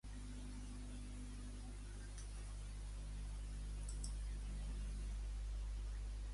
Què va fer ella en acabar el conflicte bèl·lic a Espanya?